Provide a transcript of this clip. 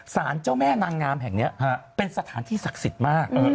สารเจ้าแม่นางงามแห่งนี้เป็นสถานที่ศักดิ์สิทธิ์มาก